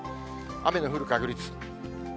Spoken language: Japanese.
雨の降る確率。